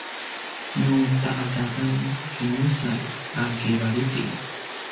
nu ta’adavan kinmusalj a kivalidi